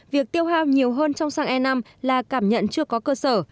việc tiêu hao nhiều hơn trong xăng e năm là cảm nhận chưa có cơ sở